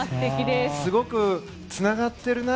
すごくつながってるな。